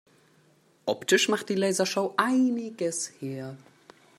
Optisch macht die Lasershow einiges her.